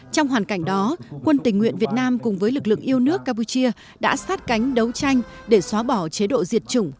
trong hoàn cảnh đó quân tình nguyện việt nam cùng với lực lượng yêu nước campuchia đã sát cánh đấu tranh để xóa bỏ chế độ diệt chủng